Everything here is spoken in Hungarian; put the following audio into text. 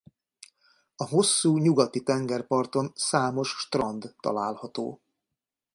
A hosszú nyugati tengerparton számos strand található.